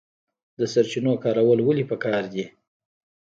د سرچینو کارول ولې پکار دي؟